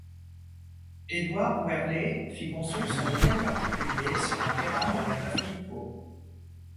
Édouard Werlé fit construire son hôtel particulier sur un terrain de la Veuve Clicquot.